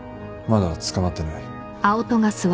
まだ捕まってない。